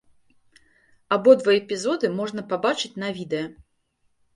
Абодва эпізоды можна пабачыць на відэа.